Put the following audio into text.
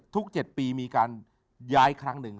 ๗ปีมีการย้ายครั้งหนึ่ง